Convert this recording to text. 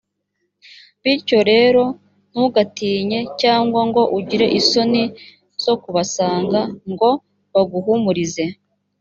bityo rero ntugatinye cyangwa ngo ugire isoni zo kubasanga ngo baguhumurize .